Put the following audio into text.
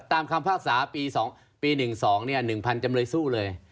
ตามคำภาษาปีเลย